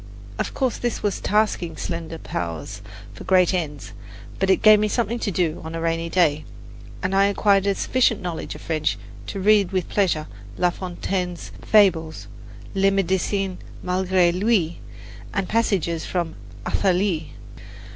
Of course this was tasking slender powers for great ends; but it gave me something to do on a rainy day, and I acquired a sufficient knowledge of French to read with pleasure La Fontaine's "Fables," "Le Medecin Malgre Lui" and passages from "Athalie."